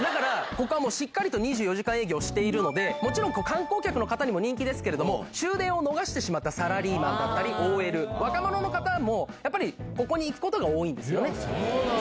ここはしっかりと２４時間営業しているのでもちろん観光客の方にも人気ですけれども終電を逃してしまったサラリーマンＯＬ若者の方もやっぱりここに行くことが多いんですよね。